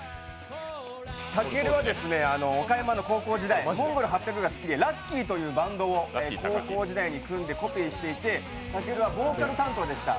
たけるは、岡山の高校時代、ＭＯＮＧＯＬ８００が好きで、Ｒｕｃｋｙというバンドを高校時代に組んでコピーしていて、たけるはボーカル担当でした。